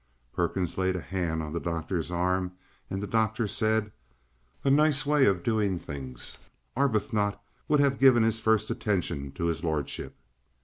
Perkins laid a hand on the doctor's arm, and the doctor said: "A nice way of doing things! Arbuthnot would have given his first attention to his lordship!"